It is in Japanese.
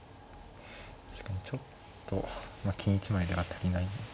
確かにちょっと金１枚では足りない感じも。